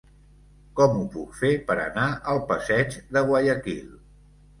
Com ho puc fer per anar al passeig de Guayaquil?